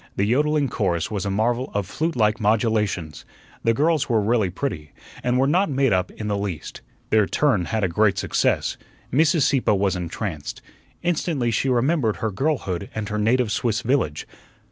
The yodling chorus was a marvel of flute like modulations. The girls were really pretty, and were not made up in the least. Their "turn" had a great success. Mrs. Sieppe was entranced. Instantly she remembered her girlhood and her native Swiss village.